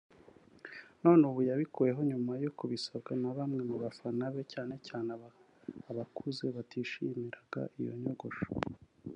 none ubu yayikuyeho nyuma yo kubisabwa na bamwe mu bafana be cyane cyane abakuze batishimiraga iyo nyogosho